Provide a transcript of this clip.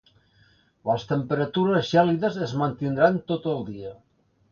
Les temperatures gèlides es mantindran tot el dia.